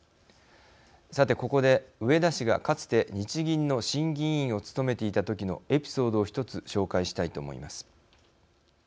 さて、ここで、植田氏がかつて日銀の審議委員を務めていた時のエピソードを１つ紹介したいと思います。